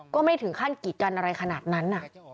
ก็ไม่ถึงขั้นกีดกันอะไรขนาดนั้น